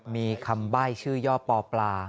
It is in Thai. มีคำใบ้ชื่อย่อปอปลา